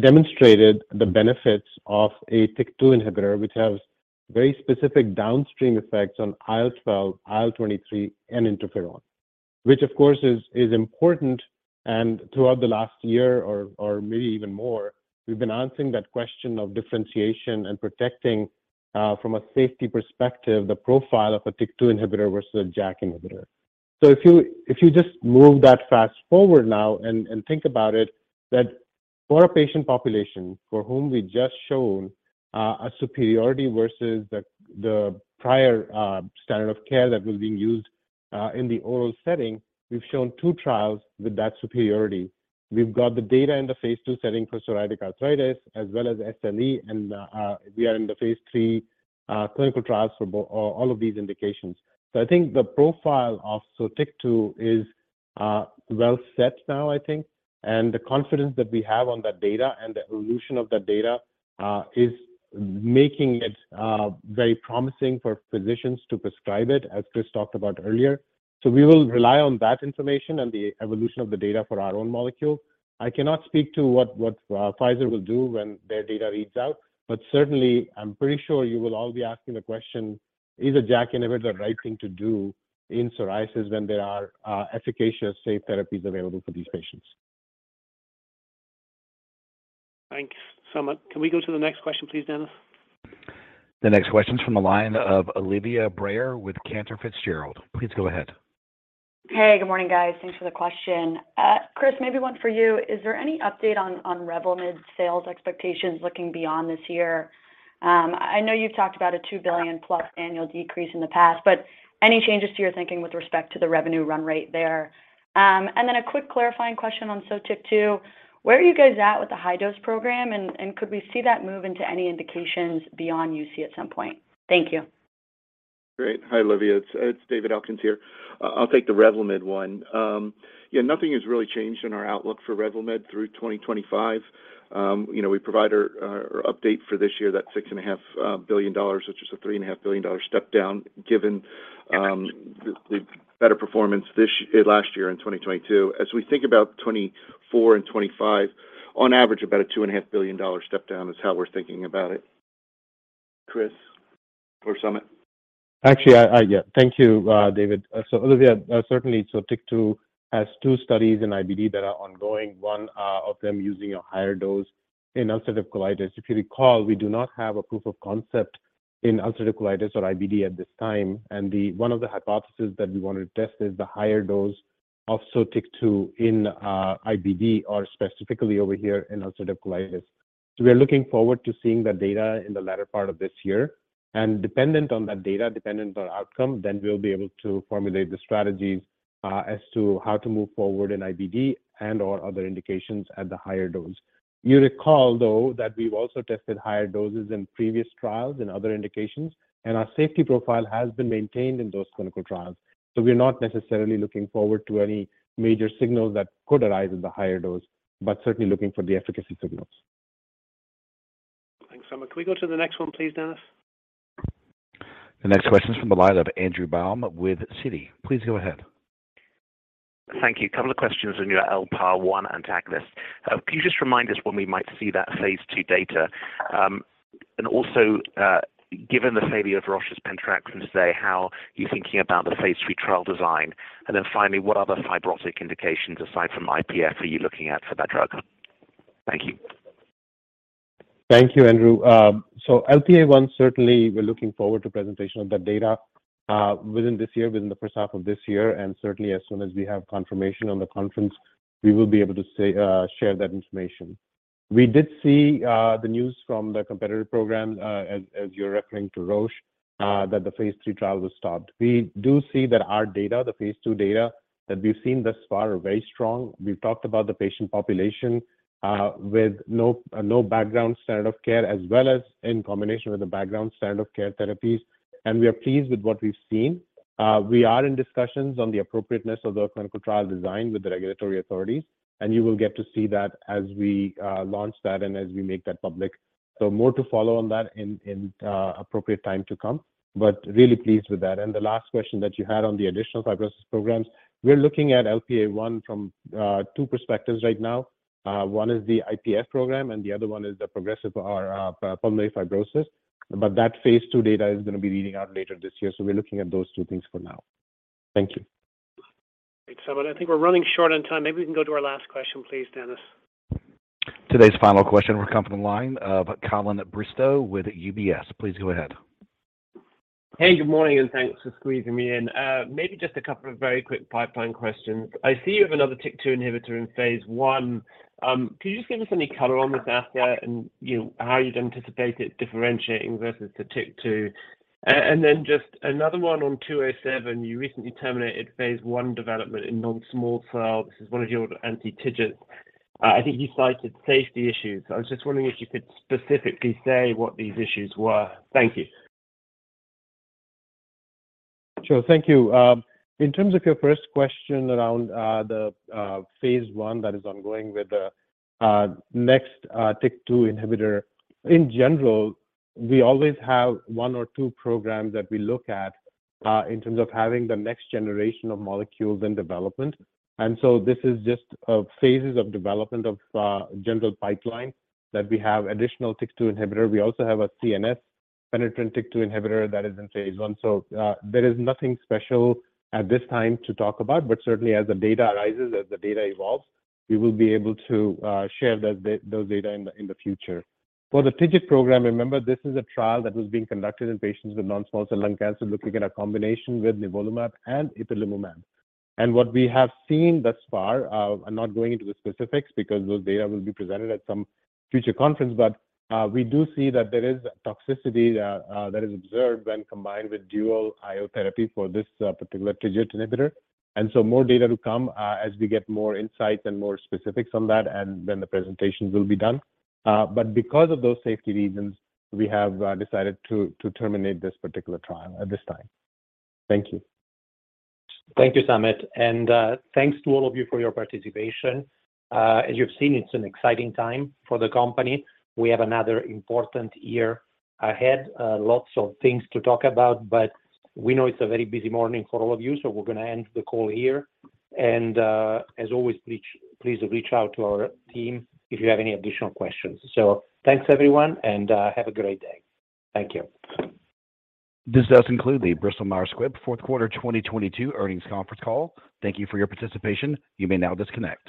demonstrated the benefits of a TYK2 inhibitor, which has very specific downstream effects on IL-12, IL-23, and Interferon, which of course is important. Throughout the last year or maybe even more, we've been answering that question of differentiation and protecting from a safety perspective, the profile of a TYK2 inhibitor versus a JAK inhibitor. If you just move that fast-forward now and think about it, that for a patient population for whom we've just shown a superiority versus the prior standard of care that was being used in the oral setting, we've shown two trials with that superiority. We've got the data in the phase 2 setting for psoriatic arthritis as well as SLE, and we are in the phase 3 clinical trials for all of these indications. I think the profile of TYK2 is well set now, I think. The confidence that we have on that data and the evolution of that data is making it very promising for physicians to prescribe it, as Chris talked about earlier. We will rely on that information and the evolution of the data for our own molecule. I cannot speak to what Pfizer will do when their data reads out. Certainly, I'm pretty sure you will all be asking the question, is a JAK inhibitor the right thing to do in psoriasis when there are efficacious, safe therapies available for these patients? Thanks, Samit. Can we go to the next question, please, Dennis? The next question is from the line of Olivia Brayer with Cantor Fitzgerald. Please go ahead. Hey, good morning, guys. Thanks for the question. Chris, maybe one for you. Is there any update on Revlimid sales expectations looking beyond this year? I know you've talked about a $2 billion-plus annual decrease in the past, but any changes to your thinking with respect to the revenue run rate there? A quick clarifying question on Sotyktu. Where are you guys at with the high-dose program? Could we see that move into any indications beyond UC at some point? Thank you. Great. Hi, Olivia. It's David Elkins here. I'll take the Revlimid one. Yeah, nothing has really changed in our outlook for Revlimid through 2025. You know, we provide our update for this year, that $6.5 billion, which is a $3.5 billion step down given the better performance this year last year in 2022. As we think about 2024 and 2025, on average, about a $2.5 billion step down is how we're thinking about it. Chris or Samit. Actually, yeah. Thank you, David. Olivia, certainly Sotyktu has two studies in IBD that are ongoing. One of them using a higher dose in ulcerative colitis. If you recall, we do not have a proof of concept in ulcerative colitis or IBD at this time. One of the hypothesis that we want to test is the higher dose of Sotyktu in IBD or specifically over here in ulcerative colitis. We are looking forward to seeing the data in the latter part of this year, and dependent on that data, dependent on outcome, then we'll be able to formulate the strategies as to how to move forward in IBD and/or other indications at the higher dose. You recall, though, that we've also tested higher doses in previous trials in other indications, our safety profile has been maintained in those clinical trials. We're not necessarily looking forward to any major signals that could arise at the higher dose, but certainly looking for the efficacy signals. Thanks, Samit. Can we go to the next one, please, Dennis? The next question is from the line of Andrew Baum with Citi. Please go ahead. Thank you. A couple of questions on your LPA1 antagonist. Can you just remind us when we might see that phase 2 data? Given the failure of Roche's tiragolumab today, how are you thinking about the phase 3 trial design? Finally, what other fibrotic indications aside from IPF are you looking at for that drug? Thank you. Thank you, Andrew. LPA1, certainly we're looking forward to presentation of that data within this year, within the first half of this year. Certainly as soon as we have confirmation on the conference, we will be able to share that information. We did see the news from the competitor program, as you're referring to Roche, that the phase 3 trial was stopped. We do see that our data, the phase 2 data that we've seen thus far, are very strong. We have talked about the patient population with no background standard of care as well as in combination with the background standard of care therapies, we are pleased with what we've seen. We are in discussions on the appropriateness of the clinical trial design with the regulatory authorities, and you will get to see that as we launch that and as we make that public. More to follow on that in appropriate time to come, but really pleased with that. The last question that you had on the additional fibrosis programs, we're looking at LPA1 from two perspectives right now. One is the IPF program, and the other one is the progressive or pulmonary fibrosis. That phase 2 data is gonna be reading out later this year, so we're looking at those two things for now. Thank you. Thanks, Samit. I think we're running short on time. Maybe we can go to our last question, please, Dennis. Today's final question will come from the line of Colin Bristow with UBS. Please go ahead. Hey, good morning, and thanks for squeezing me in. maybe just a couple of very quick pipeline questions. I see you have another TIGIT inhibitor in phase 1. could you just give us any color on this asset and, you know, how you'd anticipate it differentiating versus the TIGIT? just another 1 on 207. You recently terminated phase 1 development in non-small cell. This is 1 of your anti-TIGITs. I think you cited safety issues. I was just wondering if you could specifically say what these issues were. Thank you. Sure. Thank you. In terms of your first question around the phase 1 that is ongoing with the next TIGIT inhibitor, in general, we always have 1 or 2 programs that we look at in terms of having the next-generation of molecules in development. This is just phases of development of general pipeline that we have additional TIGIT inhibitor. We also have a CNS penetrant TIGIT inhibitor that is in phase 1. There is nothing special at this time to talk about, but certainly as the data arises, as the data evolves, we will be able to share those data in the future. For the TIGIT program, remember, this is a trial that was being conducted in patients with non-small cell lung cancer, looking at a combination with nivolumab and ipilimumab. What we have seen thus far, I'm not going into the specifics because those data will be presented at some future conference, we do see that there is toxicity that is observed when combined with dual IO therapy for this particular TIGIT inhibitor. More data to come, as we get more insights and more specifics on that, and then the presentations will be done. Because of those safety reasons, we have decided to terminate this particular trial at this time. Thank you. Thank you, Samit. Thanks to all of you for your participation. As you've seen, it's an exciting time for the company. We have another important year ahead, lots of things to talk about. We know it's a very busy morning for all of you. We're gonna end the call here. As always, please reach out to our team if you have any additional questions. Thanks, everyone. Have a great day. Thank you. This does conclude the Bristol Myers Squibb fourth quarter 2022 earnings conference call. Thank you for your participation. You may now disconnect.